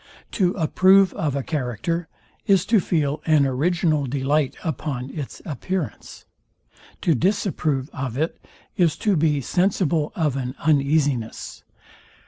To approve of a character is to feel an original delight upon its appearance. To disapprove of it is to be sensible of an uneasiness.